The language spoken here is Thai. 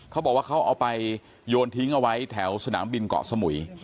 เขาบอกว่าเขาเอาไปโยนทิ้งเอาไว้แถวสนามบินเกาะสมุย